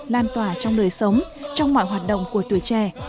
lan tỏa trong đời sống trong mọi hoạt động của tuổi trẻ